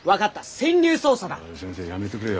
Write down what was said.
先生やめてくれよ。